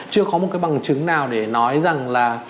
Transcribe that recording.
chưa có một cái bằng chứng nào để nói rằng là